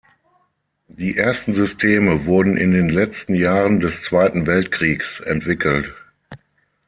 Die ersten Systeme wurden in den letzten Jahren des Zweiten Weltkriegs entwickelt.